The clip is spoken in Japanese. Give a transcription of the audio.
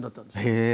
へえ！